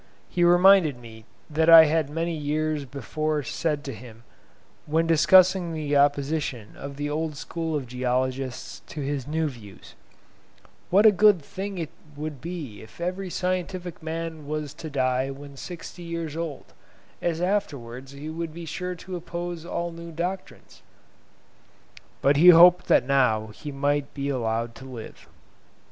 He reminded me that I had many years before said to him, when discussing the opposition of the old school of geologists to his new views, "What a good thing it would be if every scientific man was to die when sixty years old, as afterwards he would be sure to oppose all new doctrines." But he hoped that now he might be allowed to live.